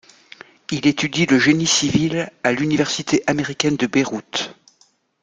Il étudie le génie civil à l'université américaine de Beyrouth.